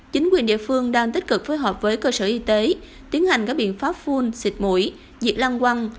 chính quyền địa phương đang tích cực phối hợp với cơ sở y tế tiến hành các biện pháp phun xịt mũi diệt lăng quăng